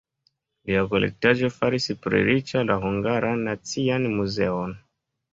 Lia kolektaĵo faris pli riĉa la Hungaran Nacian Muzeon.